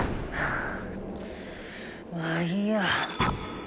まあいいや。